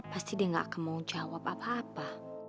pasti dia nggak mau jawab apa apa